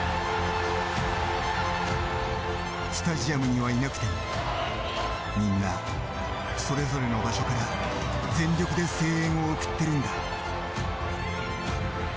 スタジアムにはいなくても、みんなそれぞれの場所から全力で声援を送っているんだ。